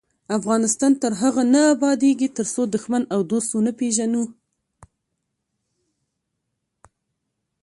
افغانستان تر هغو نه ابادیږي، ترڅو دښمن او دوست ونه پیژنو.